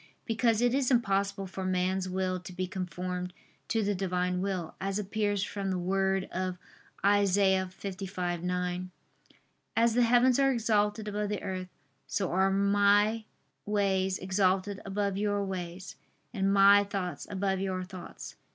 Because it is impossible for man's will to be conformed to the Divine will; as appears from the word of Isa. 55:9: "As the heavens are exalted above the earth, so are My ways exalted above your ways, and My thoughts above your thoughts."